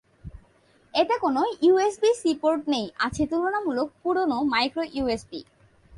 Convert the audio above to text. এতে কোন USB C port নেই, আছে তুলনামূলক পুরোনো মাইক্রোইউএসবি।